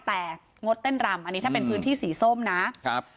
แต่งดเต้นรำอันนี้ถ้าเป็นพื้นที่สีส้มนะครับ